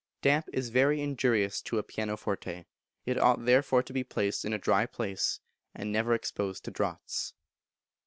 Damp is very injurious to a pianoforte; it ought therefore to be placed in a dry place, and not exposed to draughts.